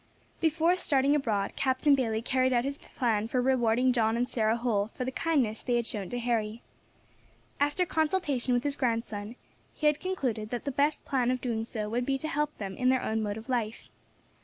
Before starting abroad, Captain Bayley carried out his plan for rewarding John and Sarah Holl for the kindness they had shown to Harry. After consultation with his grandson, he had concluded that the best plan of doing so would be to help them in their own mode of life.